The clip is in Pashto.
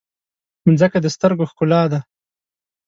مځکه د سترګو ښکلا ده.